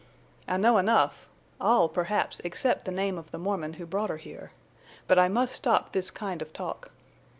"I know enough—all, perhaps, except the name of the Mormon who brought her here. But I must stop this kind of talk."